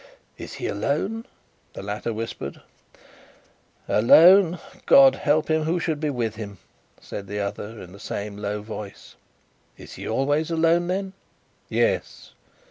"Is he alone?" the latter whispered. "Alone! God help him, who should be with him!" said the other, in the same low voice. "Is he always alone, then?" "Yes."